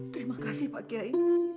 terima kasih pak kiai